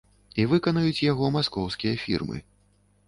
І выканаюць яго маскоўскія фірмы.